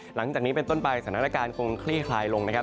หลังจากนี้เป็นต้นไปสถานการณ์คงคลี่คลายลงนะครับ